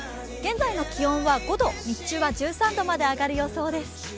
現在の気温は５度、日中は１３度まで上がる予想です。